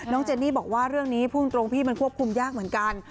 เจนนี่บอกว่าเรื่องนี้พูดตรงพี่มันควบคุมยากเหมือนกัน